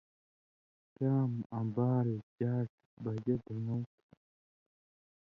چام آں بال/ژاٹ بھَژَہ دَھیٶں تھُو۔